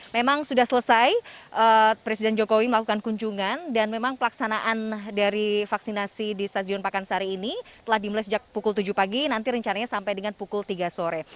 memang sudah selesai presiden jokowi melakukan kunjungan dan memang pelaksanaan dari vaksinasi di stasiun pakansari ini telah dimulai sejak pukul tujuh pagi nanti rencananya sampai dengan pukul tiga sore